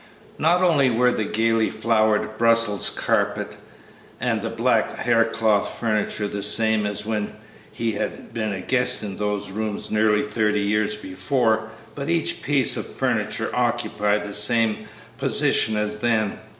Not only were the gayly flowered Brussels carpet and the black haircloth furniture the same as when he had been a guest in those rooms nearly thirty years before, but each piece of furniture occupied the same position as then.